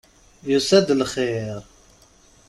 Yusa-d lxir!